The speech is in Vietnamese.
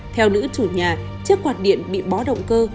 theo nữ chủ nhà chiếc quạt điện bị bó động cơ